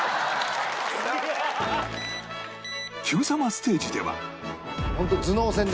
『Ｑ さま！！』ステージでは